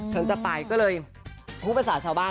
ฉันจะไปก็เลยพูดภาษาชาวบ้าน